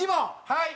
はい！